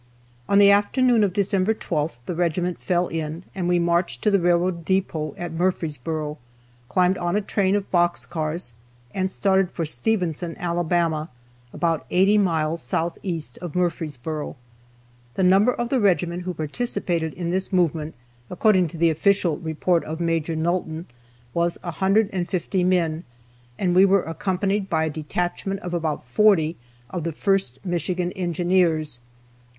On the afternoon of December 12th the regiment fell in and we marched to the railroad depot at Murfreesboro, climbed on a train of box cars, and started for Stevenson, Alabama, about 80 miles southeast of Murfreesboro. The number of the regiment who participated in this movement, according to the official report of Maj. Nulton, was 150 men, and we were accompanied by a detachment of about forty of the 1st Michigan Engineers.